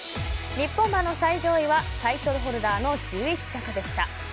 日本馬の最上位はタイトルホルダーの１１着でした。